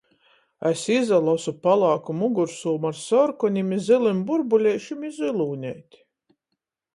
Es izalosu palāku mugursūmu ar sorkonim i zylim burbuleišim i zylūneiti.